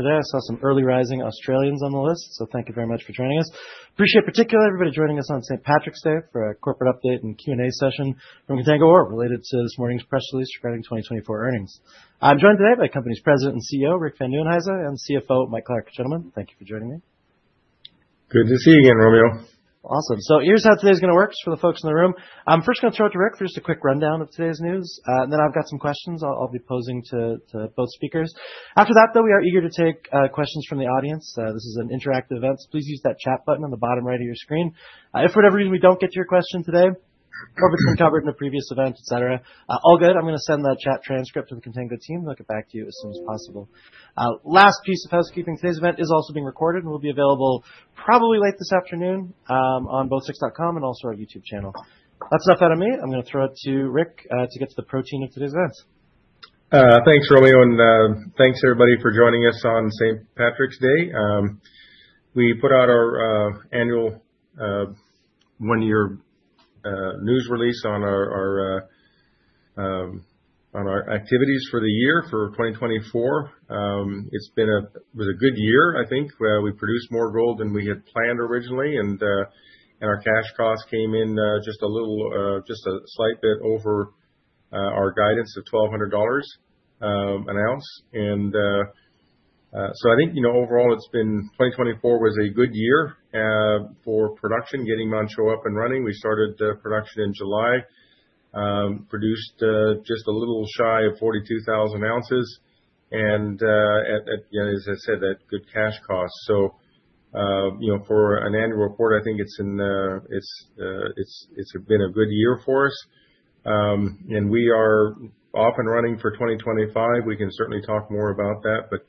Today, I saw some early rising Australians on the list, so thank you very much for joining us. I appreciate particularly everybody joining us on St. Patrick's Day for a corporate update and Q&A session from Contango Ore related to this morning's press release regarding 2024 earnings. I'm joined today by the company's President and CEO, Rick Van Nieuwenhuyse, and CFO, Mike Clark. Gentlemen, thank you for joining me. Good to see you again, Romeo. Awesome. Here is how today's going to work for the folks in the room. I'm first going to throw it to Rick for just a quick rundown of today's news, and then I've got some questions I'll be posing to both speakers. After that, though, we are eager to take questions from the audience. This is an interactive event, so please use that chat button on the bottom right of your screen. If for whatever reason we don't get to your question today, or if it's been covered in a previous event, et cetera, all good. I'm going to send that chat transcript to the Contango team and look it back to you as soon as possible. Last piece of housekeeping: today's event is also being recorded and will be available probably late this afternoon on both six.com and also our YouTube channel. That's enough out of me. I'm going to throw it to Rick to get to the protein of today's event. Thanks, Romeo, and thanks everybody for joining us on St. Patrick's Day. We put out our annual one-year news release on our activities for the year for 2024. It's been a good year, I think. We produced more gold than we had planned originally, and our cash costs came in just a little, just a slight bit over our guidance of $1,200 an ounce. I think, you know, overall, 2024 was a good year for production getting Manh Choh up and running. We started production in July, produced just a little shy of 42,000 ounces, and, as I said, that good cash cost. You know, for an annual report, I think it's been a good year for us. We are off and running for 2025. We can certainly talk more about that, but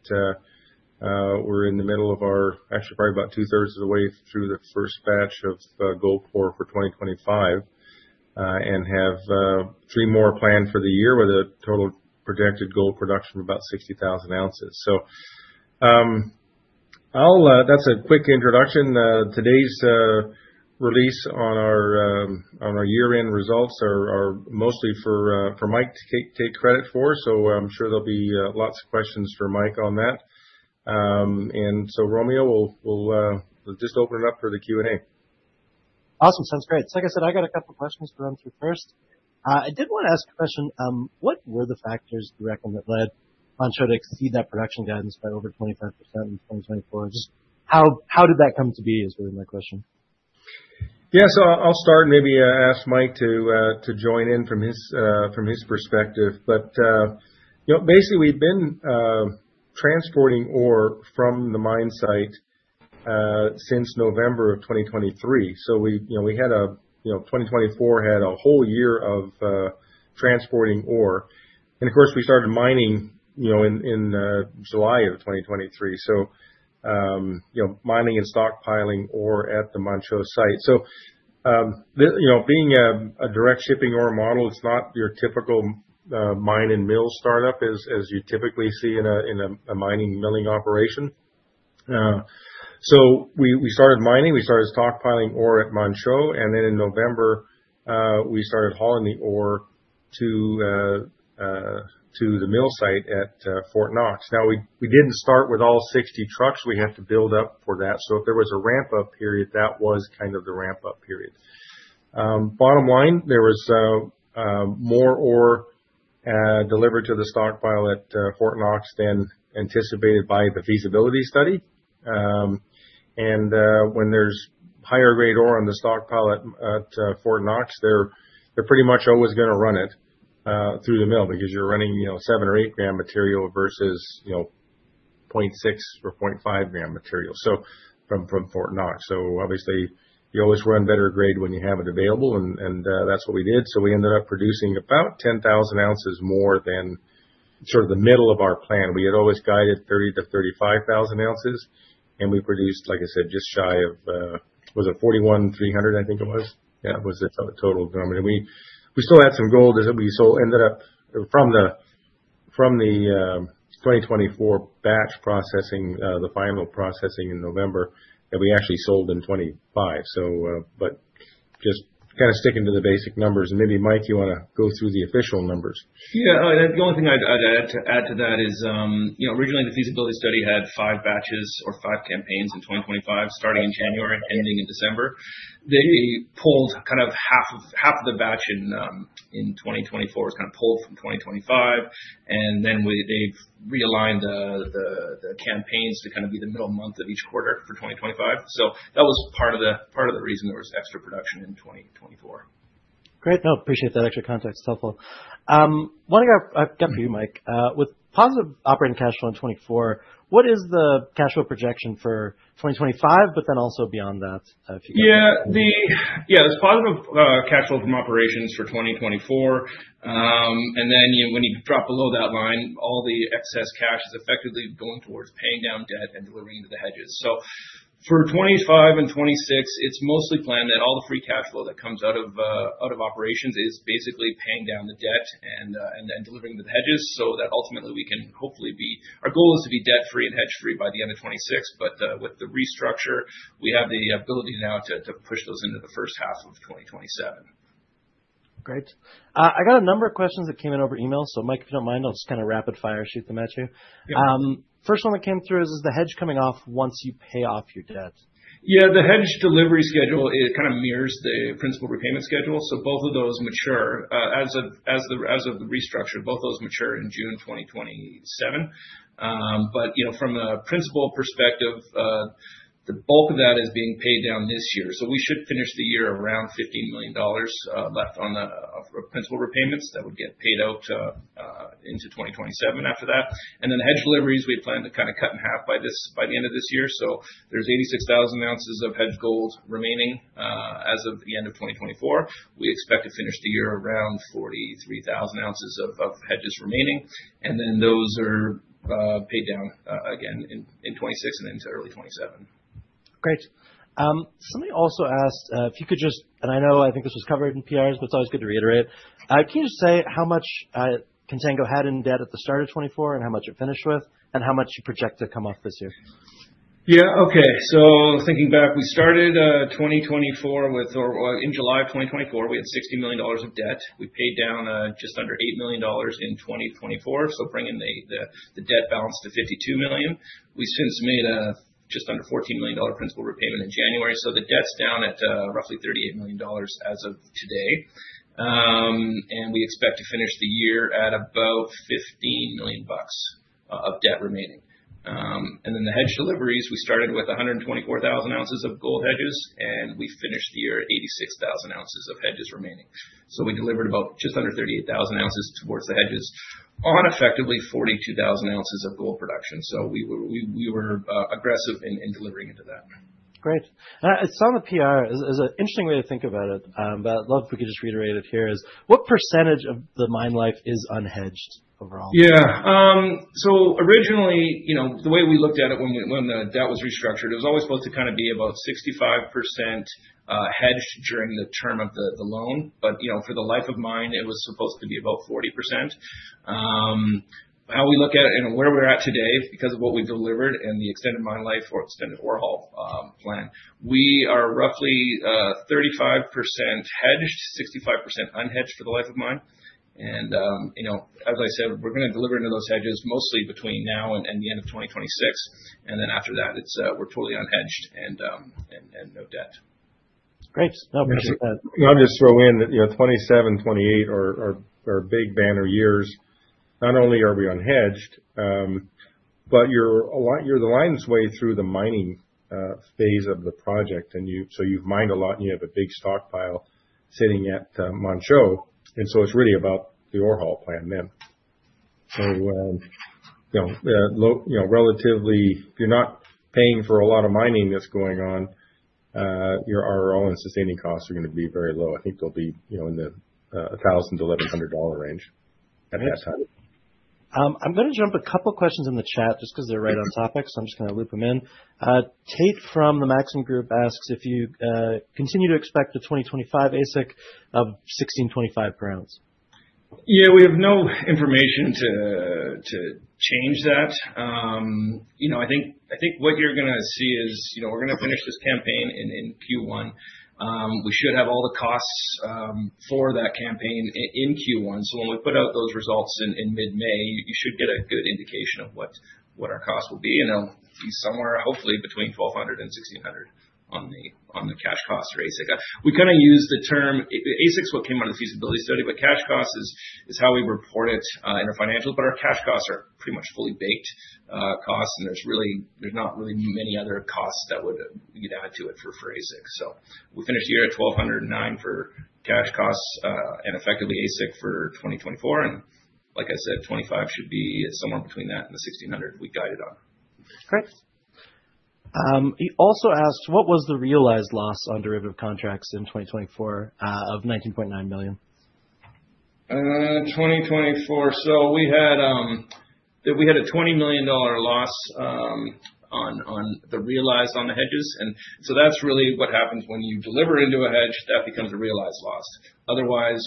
we're in the middle of our actually probably about two-thirds of the way through the first batch of gold core for 2025 and have three more planned for the year with a total projected gold production of about 60,000 ounces. That's a quick introduction. Today's release on our year-end results are mostly for Mike to take credit for, so I'm sure there'll be lots of questions for Mike on that. Romeo, we'll just open it up for the Q&A. Awesome. Sounds great. Like I said, I got a couple of questions to run through first. I did want to ask a question. What were the factors, directly, that led Manh Choh to exceed that production guidance by over 25% in 2024? Just how did that come to be is really my question. Yeah, so I'll start and maybe ask Mike to join in from his perspective. But, you know, basically, we've been transporting ore from the mine site since November of 2023. So we had a 2024 had a whole year of transporting ore. And of course, we started mining in July of 2023. So, you know, mining and stockpiling ore at the Manh Choh site. You know, being a direct shipping ore model, it's not your typical mine and mill startup as you typically see in a mining milling operation. We started mining. We started stockpiling ore at Manh Choh, and then in November, we started hauling the ore to the mill site at Fort Knox. Now, we didn't start with all 60 trucks. We had to build up for that. So if there was a ramp-up period, that was kind of the ramp-up period. Bottom line, there was more ore delivered to the stockpile at Fort Knox than anticipated by the feasibility study. When there's higher-grade ore on the stockpile at Fort Knox, they're pretty much always going to run it through the mill because you're running seven or eight-gram material versus 0.6 or 0.5-gram material from Fort Knox. Obviously, you always run better grade when you have it available, and that's what we did. We ended up producing about 10,000 ounces more than sort of the middle of our plan. We had always guided 30,000-35,000 ounces, and we produced, like I said, just shy of, was it 41,300, I think it was. Yeah, it was the total number. We still had some gold that we sold from the 2024 batch processing, the final processing in November, that we actually sold in 2025. Just kind of sticking to the basic numbers. Maybe, Mike, you want to go through the official numbers? Yeah. The only thing I'd add to that is, you know, originally, the feasibility study had five batches or five campaigns in 2025, starting in January and ending in December. They pulled kind of half of the batch in 2024, was kind of pulled from 2025, and then they've realigned the campaigns to kind of be the middle month of each quarter for 2025. That was part of the reason there was extra production in 2024. Great. No, appreciate that extra context. It's helpful. One thing I've got for you, Mike, with positive operating cash flow in 2024, what is the cash flow projection for 2025, but then also beyond that? Yeah, yeah, there's positive cash flow from operations for 2024. When you drop below that line, all the excess cash is effectively going towards paying down debt and delivering to the hedges. For 2025 and 2026, it's mostly planned that all the free cash flow that comes out of operations is basically paying down the debt and then delivering to the hedges so that ultimately we can hopefully be, our goal is to be debt-free and hedge-free by the end of 2026. With the restructure, we have the ability now to push those into the first half of 2027. Great. I got a number of questions that came in over email. Mike, if you do not mind, I will just kind of rapid-fire shoot them at you. First one that came through is, is the hedge coming off once you pay off your debt? Yeah, the hedge delivery schedule kind of mirrors the principal repayment schedule. Both of those mature as of the restructure. Both those mature in June 2027. From a principal perspective, the bulk of that is being paid down this year. We should finish the year around $15 million left on the principal repayments that would get paid out into 2027 after that. Hedge deliveries, we plan to kind of cut in half by the end of this year. There are 86,000 ounces of hedge gold remaining as of the end of 2024. We expect to finish the year around 43,000 ounces of hedges remaining. Those are paid down again in 2026 and into early 2027. Great. Somebody also asked if you could just, and I know I think this was covered in PRs, but it's always good to reiterate. Can you just say how much Contango had in debt at the start of 2024 and how much it finished with and how much you project to come off this year? Yeah, okay. So thinking back, we started 2024 with, or in July of 2024, we had $60 million of debt. We paid down just under $8 million in 2024, bringing the debt balance to $52 million. We since made just under $14 million principal repayment in January. The debt's down at roughly $38 million as of today. We expect to finish the year at about $15 million of debt remaining. The hedge deliveries, we started with 124,000 ounces of gold hedges, and we finished the year at 86,000 ounces of hedges remaining. We delivered about just under 38,000 ounces towards the hedges on effectively 42,000 ounces of gold production. We were aggressive in delivering into that. Great. I saw in the PR, there's an interesting way to think about it, but I'd love if we could just reiterate it here, is what percentage of the mine life is unhedged overall? Yeah. Originally, you know, the way we looked at it when the debt was restructured, it was always supposed to kind of be about 65% hedged during the term of the loan. For the life of mine, it was supposed to be about 40%. How we look at it and where we're at today, because of what we've delivered and the extended mine life or extended ore haul plan, we are roughly 35% hedged, 65% unhedged for the life of mine. As I said, we're going to deliver into those hedges mostly between now and the end of 2026. After that, we're totally unhedged and no debt. Great. No, appreciate that. I'll just throw in that 2027, 2028 are big banner years. Not only are we unhedged, but you're the line's way through the mining phase of the project. You have mined a lot and you have a big stockpile sitting at Manh Choh. It is really about the ore haul plan then. Relatively, if you're not paying for a lot of mining that's going on, your ROI and sustaining costs are going to be very low. I think they'll be in the $1,000-$1,100 range at that time. I'm going to jump a couple of questions in the chat just because they're right on topic. I'm just going to loop them in. Tate from the Maxen Group asks if you continue to expect the 2025 AISC of $1,625 per ounce. Yeah, we have no information to change that. You know, I think what you're going to see is we're going to finish this campaign in Q1. We should have all the costs for that campaign in Q1. When we put out those results in mid-May, you should get a good indication of what our cost will be. It'll be somewhere hopefully between $1,200 and $1,600 on the cash cost for AISC. We kind of use the term AISC as what came out of the feasibility study, but cash cost is how we report it in our financials. Our cash costs are pretty much fully baked costs, and there's not really many other costs that would be added to it for AISC. We finished the year at $1,209 for cash costs and effectively AISC for 2024. Like I said, 2025 should be somewhere between that and the $1,600 we guided on. Great. He also asked what was the realized loss on derivative contracts in 2024 of $19.9 million? 2024. We had a $20 million loss on the realized on the hedges. That is really what happens when you deliver into a hedge, that becomes a realized loss. Otherwise,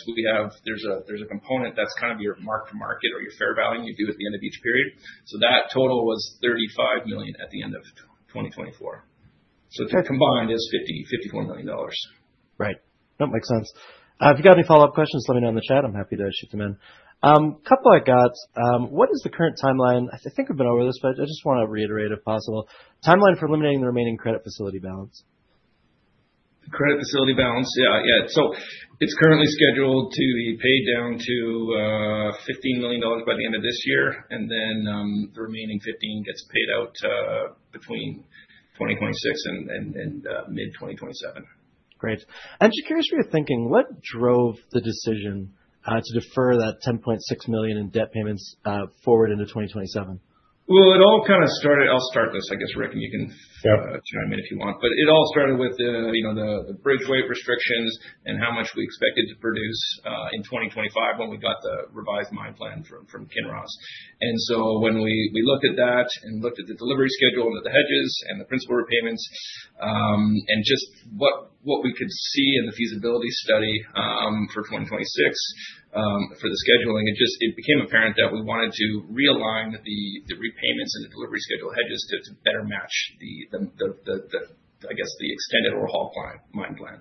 there is a component that is kind of your mark-to-market or your fair value you do at the end of each period. That total was $35 million at the end of 2024. Combined is $54 million. Right. That makes sense. If you've got any follow-up questions, let me know in the chat. I'm happy to shoot them in. A couple I got. What is the current timeline? I think we've been over this, but I just want to reiterate if possible, timeline for eliminating the remaining credit facility balance. The credit facility balance, yeah. Yeah. It is currently scheduled to be paid down to $15 million by the end of this year. The remaining $15 million gets paid out between 2026 and mid-2027. Great. I'm just curious for your thinking. What drove the decision to defer that $10.6 million in debt payments forward into 2027? It all kind of started, I'll start this, I guess, Rick, and you can chime in if you want. It all started with the bridge weight restrictions and how much we expected to produce in 2025 when we got the revised mine plan from Kinross. When we looked at that and looked at the delivery schedule and the hedges and the principal repayments and just what we could see in the feasibility study for 2026 for the scheduling, it became apparent that we wanted to realign the repayments and the delivery schedule hedges to better match the, I guess, the extended ore haul mine plan.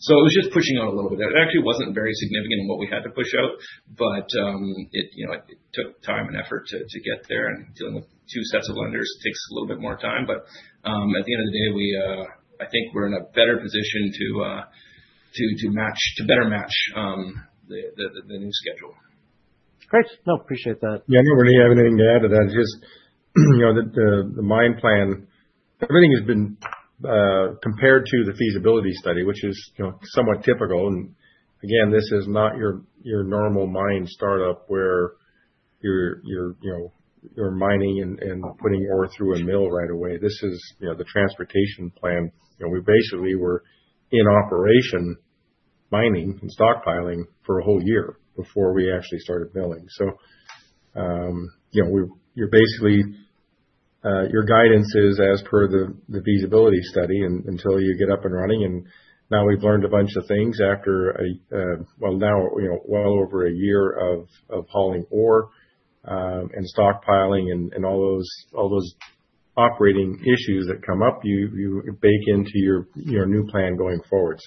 It was just pushing out a little bit. It actually wasn't very significant in what we had to push out, but it took time and effort to get there. Dealing with two sets of lenders takes a little bit more time. At the end of the day, I think we're in a better position to better match the new schedule. Great. No, appreciate that. Yeah, I don't really have anything to add to that. Just the mine plan, everything has been compared to the feasibility study, which is somewhat typical. This is not your normal mine startup where you're mining and putting ore through a mill right away. This is the transportation plan. We basically were in operation mining and stockpiling for a whole year before we actually started milling. Your guidance is as per the feasibility study until you get up and running. Now we've learned a bunch of things after, now well over a year of hauling ore and stockpiling and all those operating issues that come up, you bake into your new plan going forward.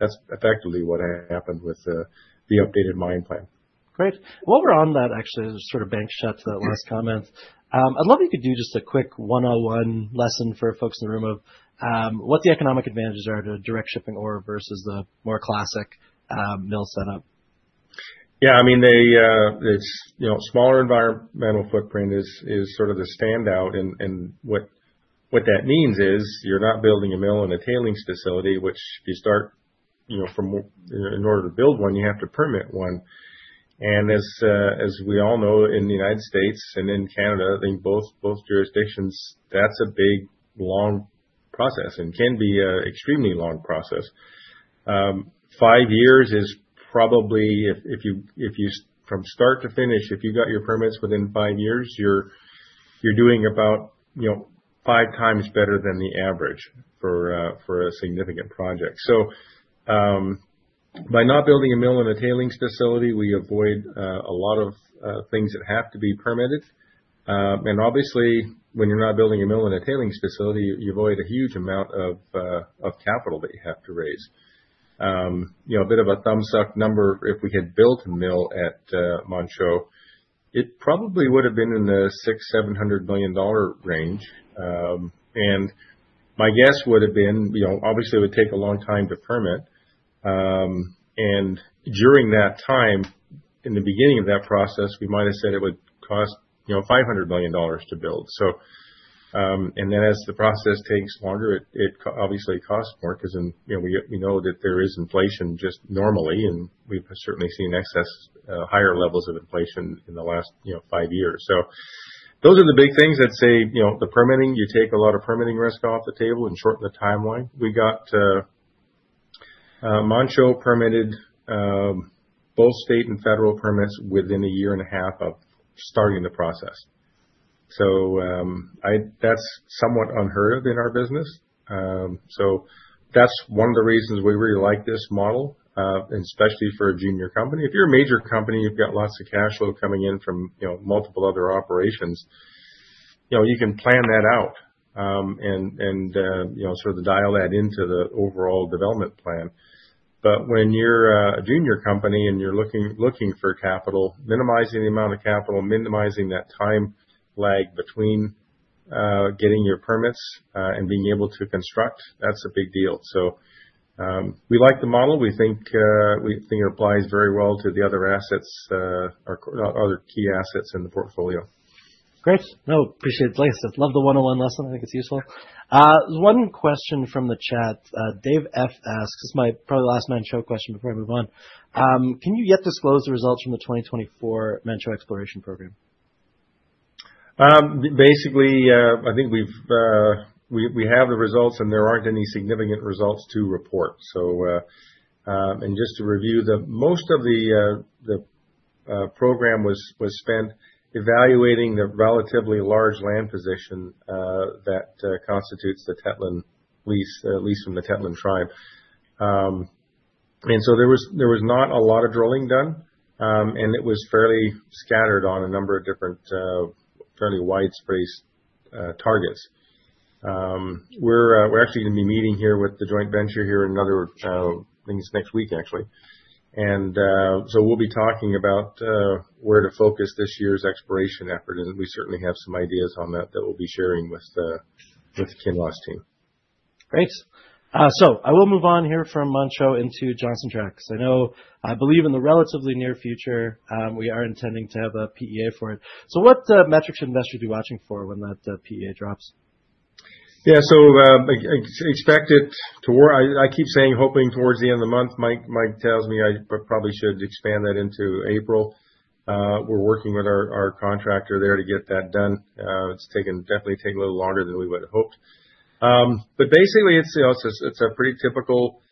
That's effectively what happened with the updated mine plan. Great. While we're on that, actually, to sort of bank shot to that last comment, I'd love if you could do just a quick 101 lesson for folks in the room of what the economic advantages are to direct shipping ore versus the more classic mill setup. Yeah, I mean, the smaller environmental footprint is sort of the standout. What that means is you're not building a mill in a tailings facility, which you start from in order to build one, you have to permit one. As we all know in the United States and in Canada, I think both jurisdictions, that's a big, long process and can be an extremely long process. Five years is probably, if you from start to finish, if you've got your permits within five years, you're doing about five times better than the average for a significant project. By not building a mill in a tailings facility, we avoid a lot of things that have to be permitted. Obviously, when you're not building a mill in a tailings facility, you avoid a huge amount of capital that you have to raise. A bit of a thumbs-up number, if we had built a mill at Manh Choh, it probably would have been in the $600 million-$700 million range. My guess would have been, obviously, it would take a long time to permit. In the beginning of that process, we might have said it would cost $500 million to build. As the process takes longer, it obviously costs more because we know that there is inflation just normally. We have certainly seen excess, higher levels of inflation in the last five years. Those are the big things that say the permitting, you take a lot of permitting risk off the table and shorten the timeline. We got Manh Choh permitted both state and federal permits within a year and a half of starting the process. That is somewhat unheard of in our business. That's one of the reasons we really like this model, especially for a junior company. If you're a major company, you've got lots of cash flow coming in from multiple other operations, you can plan that out and sort of dial that into the overall development plan. When you're a junior company and you're looking for capital, minimizing the amount of capital, minimizing that time lag between getting your permits and being able to construct, that's a big deal. We like the model. We think it applies very well to the other assets or other key assets in the portfolio. Great. No, appreciate it. Like I said, love the 101 lesson. I think it's useful. One question from the chat. Dave F asks, this is probably my last Mantro question before I move on. Can you yet disclose the results from the 2024 Mantro Exploration Program? Basically, I think we have the results and there aren't any significant results to report. Just to review, most of the program was spent evaluating the relatively large land position that constitutes the Tetlan lease from the Tetlan tribe. There was not a lot of drilling done. It was fairly scattered on a number of different fairly widespread targets. We're actually going to be meeting here with the joint venture here in another thing next week, actually. We'll be talking about where to focus this year's exploration effort. We certainly have some ideas on that that we'll be sharing with the Kinross team. Great. I will move on here from Montreal into Johnson Tract. I believe in the relatively near future, we are intending to have a PEA for it. What metrics and metrics are you watching for when that PEA drops? Yeah. So expected to, I keep saying hoping towards the end of the month. Mike tells me I probably should expand that into April. We're working with our contractor there to get that done. It's definitely taken a little longer than we would have hoped. Basically, it's a pretty typical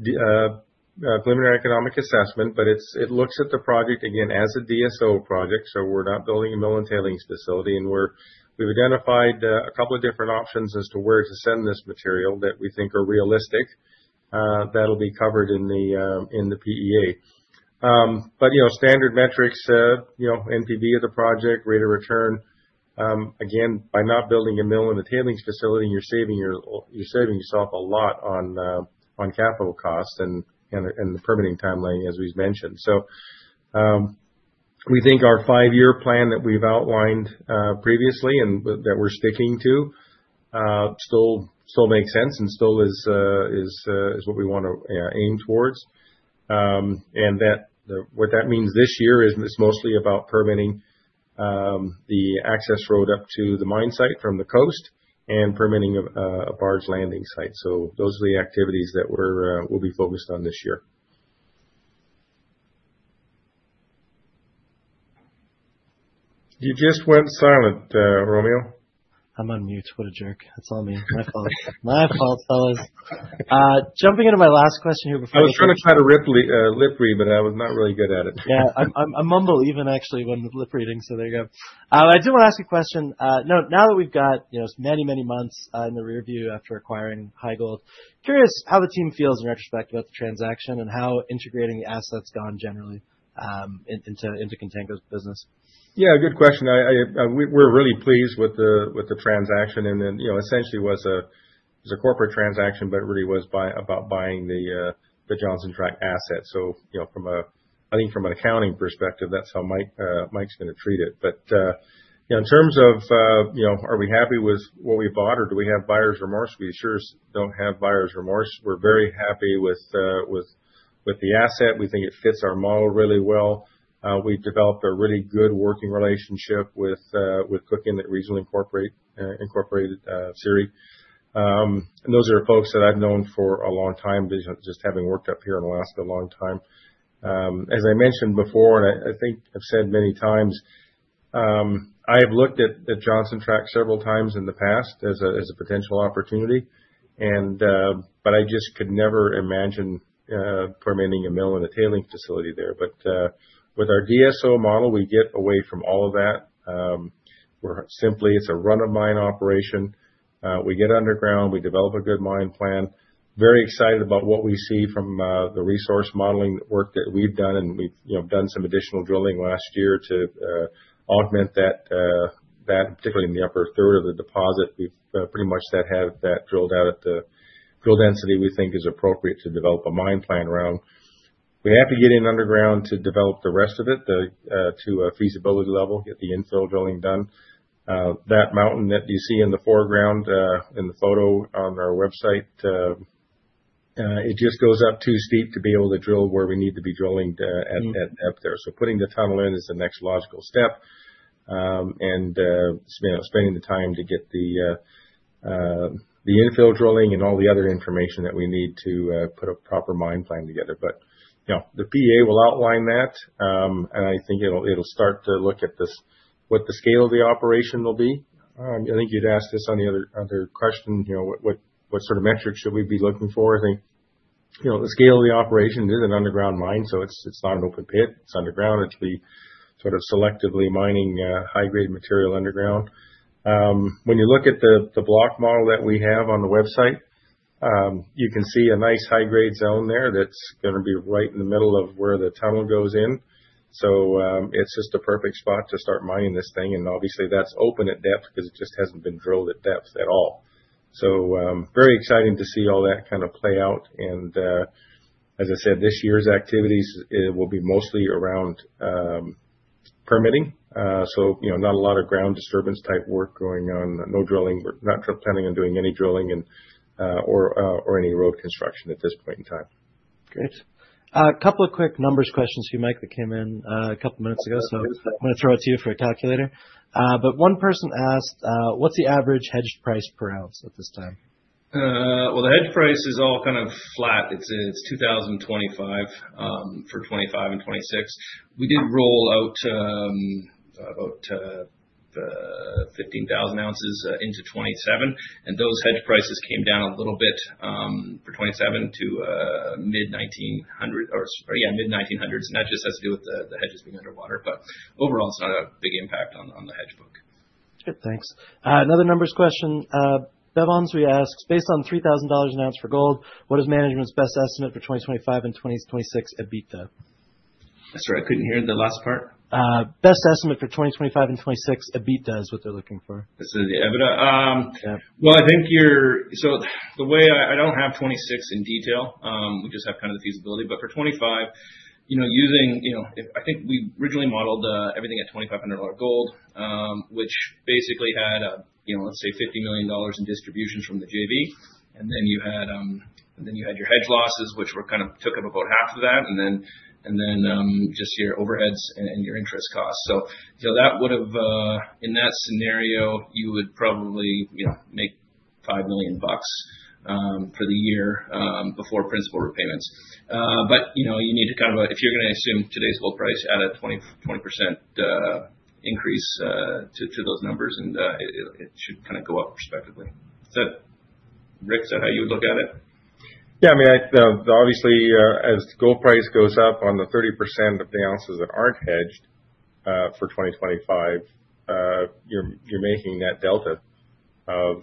preliminary economic assessment, but it looks at the project again as a DSO project. We're not building a mill and tailings facility. We've identified a couple of different options as to where to send this material that we think are realistic that'll be covered in the PEA. Standard metrics, NPV of the project, rate of return. Again, by not building a mill and a tailings facility, you're saving yourself a lot on capital costs and the permitting timeline, as we've mentioned. We think our five-year plan that we've outlined previously and that we're sticking to still makes sense and still is what we want to aim towards. What that means this year is it's mostly about permitting the access road up to the mine site from the coast and permitting a barge landing site. Those are the activities that we'll be focused on this year. You just went silent, Romeo. I'm on mute. What a jerk. That's all me. My fault. My fault, fellas. Jumping into my last question here before I shut off. I was trying to lip read, but I was not really good at it. Yeah. I mumble even actually when lip reading. So there you go. I do want to ask a question. Now that we've got many, many months in the rearview after acquiring HighGold, curious how the team feels in retrospect about the transaction and how integrating the assets gone generally into Contango's business. Yeah, good question. We're really pleased with the transaction. It essentially was a corporate transaction, but it really was about buying the Johnson Tract asset. I think from an accounting perspective, that's how Mike's going to treat it. In terms of are we happy with what we bought or do we have buyer's remorse? We sure don't have buyer's remorse. We're very happy with the asset. We think it fits our model really well. We developed a really good working relationship with CIRI and Regional Corporation, CIRI. Those are folks that I've known for a long time, just having worked up here in Alaska a long time. As I mentioned before, and I think I've said many times, I have looked at Johnson Tract several times in the past as a potential opportunity. I just could never imagine permitting a mill and a tailings facility there. With our DSO model, we get away from all of that. It's a run-of-mine operation. We get underground. We develop a good mine plan. Very excited about what we see from the resource modeling work that we've done. We've done some additional drilling last year to augment that, particularly in the upper third of the deposit. We've pretty much had that drilled out at the drill density we think is appropriate to develop a mine plan around. We have to get in underground to develop the rest of it to a feasibility level, get the infill drilling done. That mountain that you see in the foreground in the photo on our website, it just goes up too steep to be able to drill where we need to be drilling up there. Putting the tunnel in is the next logical step. Spending the time to get the infill drilling and all the other information that we need to put a proper mine plan together is important. The PEA will outline that. I think it'll start to look at what the scale of the operation will be. I think you'd asked this on the other question, what sort of metrics should we be looking for? I think the scale of the operation is an underground mine. It's not an open pit. It's underground. It's sort of selectively mining high-grade material underground. When you look at the block model that we have on the website, you can see a nice high-grade zone there that's going to be right in the middle of where the tunnel goes in. It's just a perfect spot to start mining this thing. Obviously, that's open at depth because it just hasn't been drilled at depth at all. Very exciting to see all that kind of play out. As I said, this year's activities will be mostly around permitting. Not a lot of ground disturbance type work going on. No drilling. We're not planning on doing any drilling or any road construction at this point in time. Great. A couple of quick numbers questions for you, Mike, that came in a couple of minutes ago. I'm going to throw it to you for a calculator. One person asked, what's the average hedged price per ounce at this time? The hedge price is all kind of flat. It's 2025 for '25 and '26. We did roll out about 15,000 ounces into '27. Those hedge prices came down a little bit for '27 to mid-1900s. That just has to do with the hedges being underwater. Overall, it's not a big impact on the hedge book. Good. Thanks. Another numbers question. Bevonswe asks, based on $3,000 an ounce for gold, what is management's best estimate for 2025 and 2026 EBITDA? Sorry, I couldn't hear the last part. Best estimate for 2025 and 2026 EBITDA is what they're looking for. This is the EBITDA. I think you're, so the way I don't have 2026 in detail. We just have kind of the feasibility. For 2025, using, I think we originally modeled everything at $2,500 gold, which basically had, let's say, $50 million in distributions from the JV. You had your hedge losses, which kind of took up about half of that. Then just your overheads and your interest costs. In that scenario, you would probably make $5 million for the year before principal repayments. You need to kind of, if you're going to assume today's gold price, add a 20% increase to those numbers. It should kind of go up respectively. Is that, Rick, is that how you would look at it? Yeah. I mean, obviously, as gold price goes up on the 30% of the ounces that aren't hedged for 2025, you're making that delta of,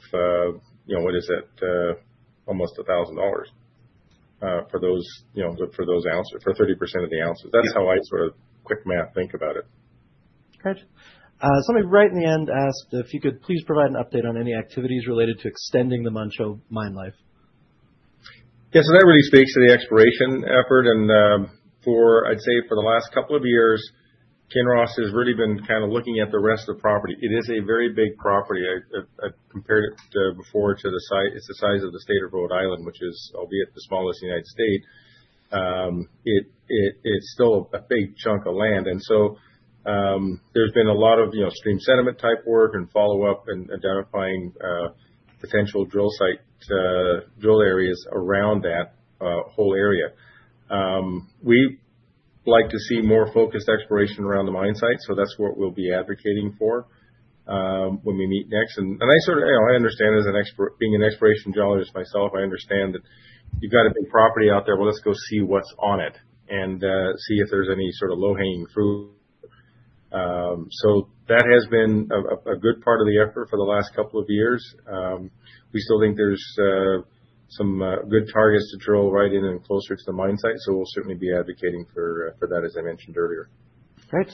what is it, almost $1,000 for those ounces, for 30% of the ounces. That's how I sort of quick math think about it. Good. Somebody right in the end asked if you could please provide an update on any activities related to extending the Manh Choh mine life. Yeah. That really speaks to the exploration effort. I'd say for the last couple of years, Kinross has really been kind of looking at the rest of the property. It is a very big property. I compared it before to the site. It's the size of the state of Rhode Island, which is, albeit the smallest in the United States. It's still a big chunk of land. There has been a lot of stream sediment type work and follow-up and identifying potential drill areas around that whole area. We'd like to see more focused exploration around the mine site. That's what we'll be advocating for when we meet next. I sort of, I understand as being an exploration geologist myself, I understand that you've got a big property out there. Let's go see what's on it and see if there's any sort of low-hanging fruit. That has been a good part of the effort for the last couple of years. We still think there's some good targets to drill right in and closer to the mine site. We'll certainly be advocating for that, as I mentioned earlier. Great.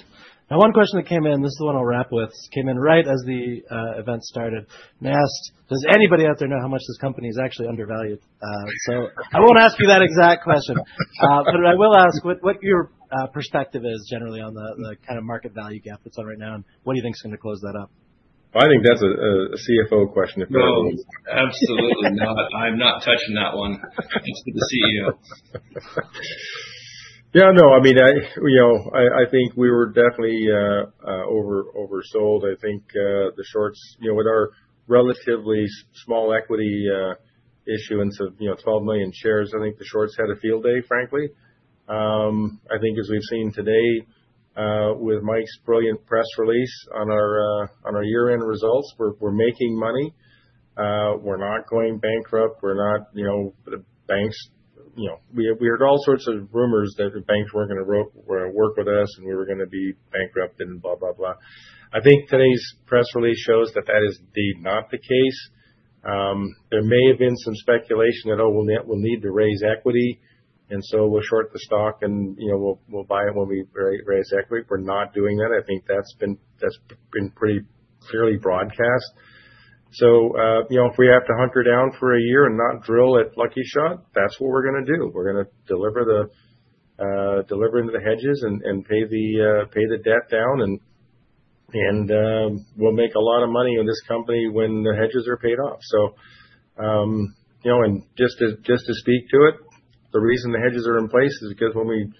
Now, one question that came in, this is the one I'll wrap with, came in right as the event started. They asked, does anybody out there know how much this company is actually undervalued? I won't ask you that exact question. I will ask what your perspective is generally on the kind of market value gap that's on right now. What do you think is going to close that up? I think that's a CFO question if you're on the loose. Absolutely not. I'm not touching that one. It's for the CEO. Yeah. No. I mean, I think we were definitely oversold. I think the shorts, with our relatively small equity issue and 12 million shares, I think the shorts had a field day, frankly. I think as we've seen today with Mike's brilliant press release on our year-end results, we're making money. We're not going bankrupt. We're not, the banks, we heard all sorts of rumors that the banks weren't going to work with us and we were going to be bankrupt and blah, blah, blah. I think today's press release shows that that is indeed not the case. There may have been some speculation that, oh, we'll need to raise equity. And so we'll short the stock and we'll buy it when we raise equity. We're not doing that. I think that's been pretty clearly broadcast. If we have to hunker down for a year and not drill at Lucky Shot, that's what we're going to do. We're going to deliver into the hedges and pay the debt down. We'll make a lot of money in this company when the hedges are paid off. Just to speak to it, the reason the hedges are in place is because when we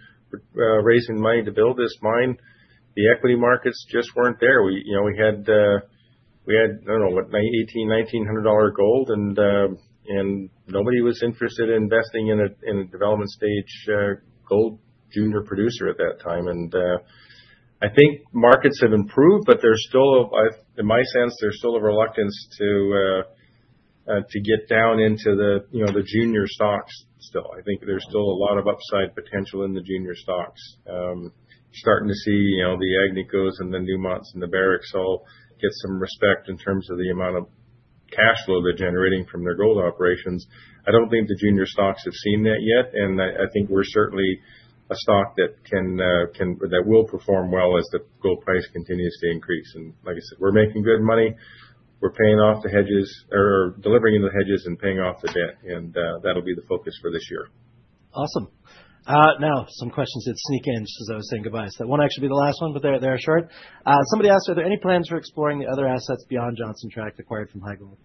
were raising money to build this mine, the equity markets just were not there. We had, I don't know, what, $1,800, $1,900 gold. Nobody was interested in investing in a development stage gold junior producer at that time. I think markets have improved, but there's still, in my sense, a reluctance to get down into the junior stocks still. I think there's still a lot of upside potential in the junior stocks. Starting to see the Agnicos and the Newmonts and the Barricks all get some respect in terms of the amount of cash flow they're generating from their gold operations. I don't think the junior stocks have seen that yet. I think we're certainly a stock that will perform well as the gold price continues to increase. Like I said, we're making good money. We're paying off the hedges or delivering into the hedges and paying off the debt. That'll be the focus for this year. Awesome. Now, some questions that sneak in just as I was saying goodbye. That won't actually be the last one, but they're short. Somebody asked, are there any plans for exploring the other assets beyond Johnson Tract acquired from HighGold?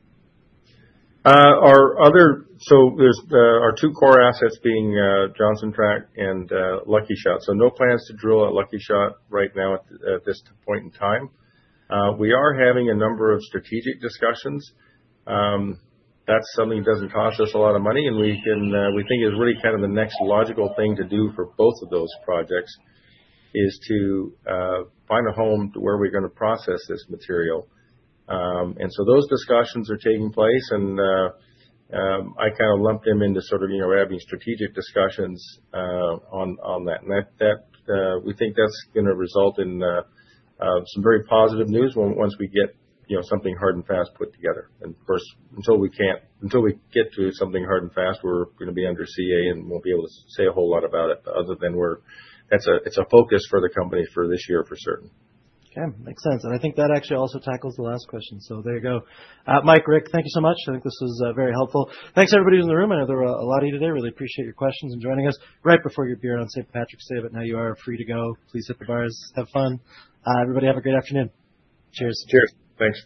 There are our two core assets being Johnson Tract and Lucky Shot. No plans to drill at Lucky Shot right now at this point in time. We are having a number of strategic discussions. That is something that does not cost us a lot of money. We think it is really kind of the next logical thing to do for both of those projects, to find a home to where we are going to process this material. Those discussions are taking place. I kind of lump them into sort of having strategic discussions on that. We think that is going to result in some very positive news once we get something hard and fast put together. Of course, until we get to something hard and fast, we're going to be under CA and won't be able to say a whole lot about it other than it's a focus for the company for this year for certain. Okay. Makes sense. I think that actually also tackles the last question. There you go. Mike, Rick, thank you so much. I think this was very helpful. Thanks, everybody in the room. I know there were a lot of you today. Really appreciate your questions and joining us right before your beer on St. Patrick's Day. Now you are free to go. Please hit the bars. Have fun. Everybody have a great afternoon. Cheers. Cheers. Thanks.